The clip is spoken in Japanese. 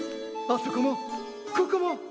あそこもここも！